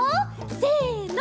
せの。